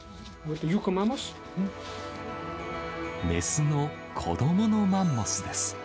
雌の子どものマンモスです。